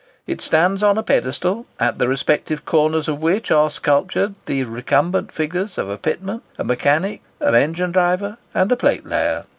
It stands on a pedestal, at the respective corners of which are sculptured the recumbent figures of a pitman, a mechanic, an engine driver, and a plate layer.